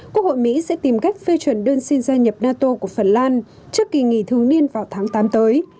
quốc hội mỹ sẽ tìm cách phê chuẩn đơn xin gia nhập nato của phần lan trước kỳ nghỉ thường niên vào tháng tám tới